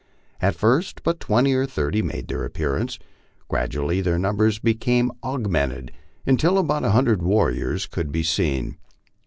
At first but twenty or thirty made their appearance; gradually their number became augmented, until about a hundred warriors could be seen.